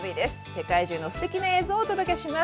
世界中のすてきな映像をお届けします。